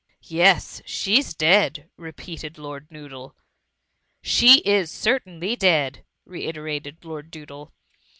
" Yes, she's dead !" repeated Lord Noodle. '^ She is certainly deadT reiterated Lord Doodle.